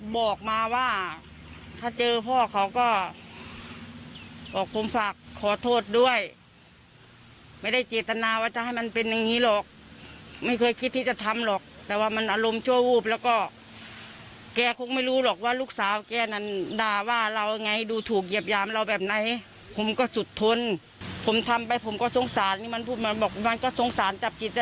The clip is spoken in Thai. บอกว่ามันก็สงสารจับจิตใจมันก็ถามว่าเป็นอย่างไร